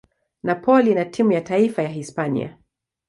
Napoli na timu ya taifa ya Hispania.